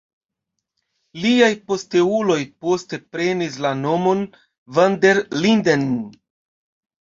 Liaj posteuloj poste prenis la nomon van der Linden.